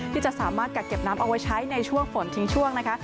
ที่จะสามารถกักเก็บน้ำเอาไว้ใช้ในช่วงฝนทิ้งช่วงนะคะ